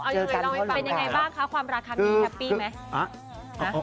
เป็นยังไงบ้างคะความรักทำอย่างงี้ครับปี่